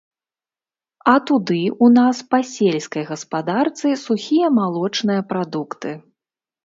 А туды ў нас па сельскай гаспадарцы сухія малочныя прадукты.